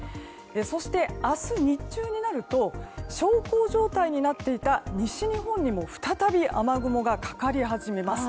そして、明日日中になると小康状態になっていた西日本にも再び雨雲がかかり始めます。